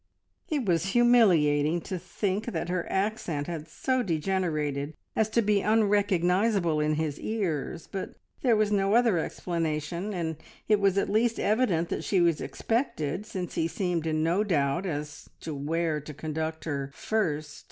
It was humiliating to think that her accent had so degenerated as to be unrecognisable in his ears, but there was no other explanation, and it was at least evident that she was expected, since he seemed in no doubt as to where to conduct her first.